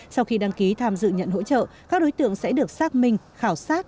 sau khi đăng ký tham dự nhận hỗ trợ các đối tượng sẽ được xác minh khảo sát